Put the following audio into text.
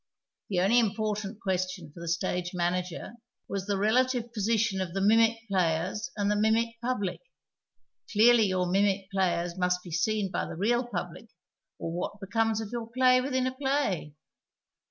The only inijjortant (luestion for the stage manager was the relative position of the mimic players and the minjic pui^lic. Clearly your mimic jjlayers nuist be seen by the real public, or what becomes of your play witliin a play